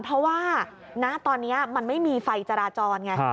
เพราะว่าณตอนนี้มันไม่มีไฟจราจรไง